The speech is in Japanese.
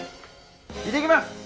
行ってきます！